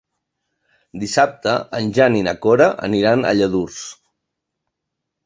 Dissabte en Jan i na Cora aniran a Lladurs.